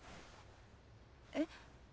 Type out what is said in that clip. えっ？